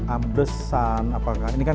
ambesan apakah ini kan